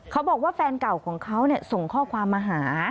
เขาบอกว่าแฟนเก่าของเขาส่งข้อความมาหา